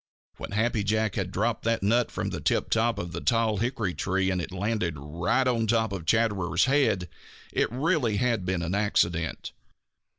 When Happy Jack had dropped that nut from the tiptop of the tall hickory tree and it had landed right on top of Chatterer's head it really had been an accident.